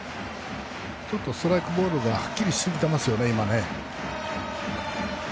ストライク、ボールがはっきりしすぎてますね、今ね。